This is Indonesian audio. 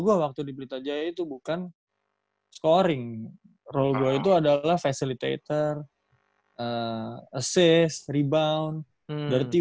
gua waktu di berita jaya itu bukan scoring role gua itu adalah facilitator assist rebound dirty